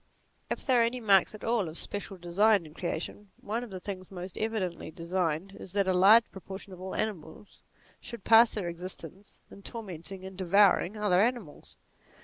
If there are any marks at all of special design in creation, one of the things most evidently designed is that a large proportion of all animals should pass their existence in tormenting and devouring other animals.